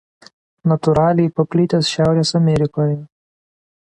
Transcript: Natūraliai paplitęs Šiaurės Amerikoje.